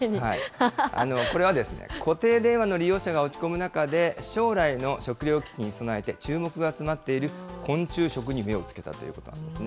これは固定電話の利用者が落ち込む中で、将来の食料危機に備えて注目が集まっている昆虫食に目をつけたということなんですね。